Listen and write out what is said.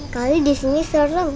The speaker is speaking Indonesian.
kali disini serem